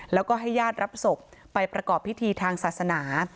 แล้วก็ให้ญาติรับศพไปประกอบพิธีทางศาสนา